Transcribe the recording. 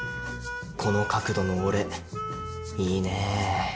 この角度の俺いいねぇ。